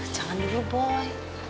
jangan dulu boy